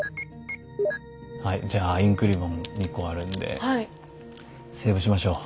はいじゃあインクリボン２個あるんでセーブしましょう。